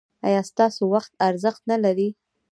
ایا ستاسو وخت ارزښت نلري؟